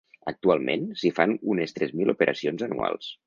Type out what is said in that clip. Actualment s’hi fan unes tres mil operacions anuals.